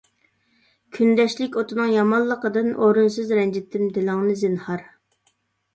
كۈندەشلىك ئوتىنىڭ يامانلىقىدىن، ئورۇنسىز رەنجىتتىم دىلىڭنى زىنھار.